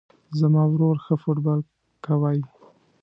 زما ورور ښه فوټبال کوی